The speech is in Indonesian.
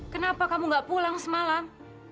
kenapa kamu gak pulang semalam